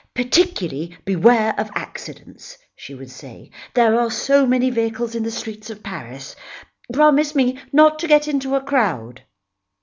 "Particularly, beware of accidents," she would say. "There are so many vehicles in the streets of Paris! Promise me not to get in a crowd."